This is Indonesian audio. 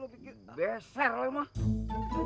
beser lu mah